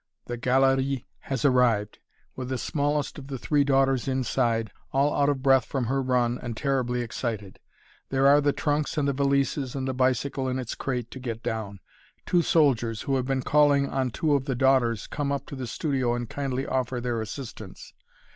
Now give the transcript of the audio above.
The "galerie" has arrived with the smallest of the three daughters inside, all out of breath from her run and terribly excited. There are the trunks and the valises and the bicycle in its crate to get down. Two soldiers, who have been calling on two of the daughters, come up to the studio and kindly offer their assistance.